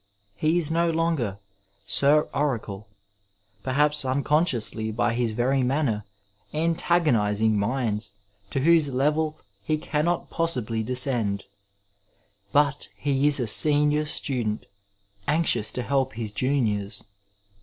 He is no longer Sir Oracle, perhaps unconsciously by his very manner antagonizing minds to whose level he cannot possibly descend, but he is a senior student anxious to help his juniors.